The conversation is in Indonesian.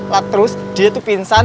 waktu terus dia tuh pingsan